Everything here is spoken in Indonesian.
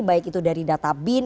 baik itu dari data bin